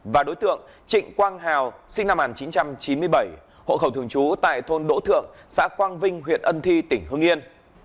và đối tượng trịnh quang hào sinh năm một nghìn chín trăm chín mươi bảy hộ khẩu thường trú tại thôn đỗ thượng xã quang vinh huyện ân thi tỉnh hương yên